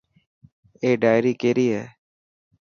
اي ڊائري ڪيري هي.